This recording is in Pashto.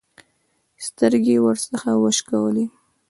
سترګې يې ورڅخه وشکولې.